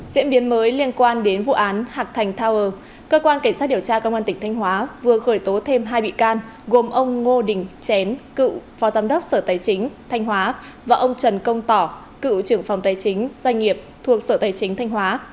diễn biến mới liên quan đến vụ án hạc thành tower cơ quan cảnh sát điều tra công an tỉnh thanh hóa vừa khởi tố thêm hai bị can gồm ông ngô đình chén cựu phó giám đốc sở tài chính thanh hóa và ông trần công tỏ cựu trưởng phòng tài chính doanh nghiệp thuộc sở tài chính thanh hóa